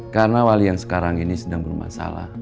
karena wali yang sekarang ini sedang bermasalah